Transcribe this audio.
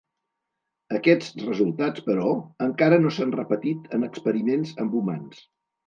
Aquests resultats però, encara no s'han repetit en experiments amb humans.